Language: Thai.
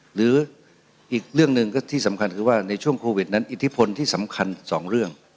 หรืออีกเรื่องหนึ่งก็ที่สำคัญคือว่าในช่วงโควิดนั้นอิทธิพลที่สำคัญสองเรื่อง